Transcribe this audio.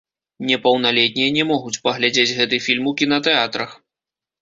Непаўналетнія не могуць паглядзець гэты фільм у кінатэатрах.